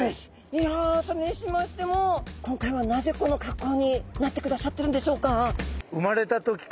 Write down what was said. いやそれにしましても今回はなぜこの格好になってくださってるんでしょうか？